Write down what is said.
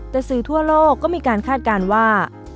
แต่สื่อทั่วโลกก็มีการคาดการณ์ว่า